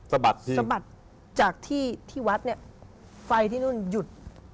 บัดสิสะบัดจากที่ที่วัดเนี่ยไฟที่นู่นหยุด